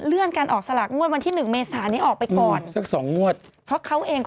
เลื่อนการออกสลากงวดวันที่๑เมษฐานนี้ออกไปก่อน